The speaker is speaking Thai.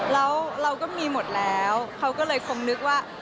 แล้วเราก็มีหมดแล้วเขาก็เลยคงนึกว่า